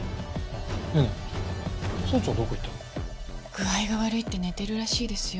具合が悪いって寝てるらしいですよ。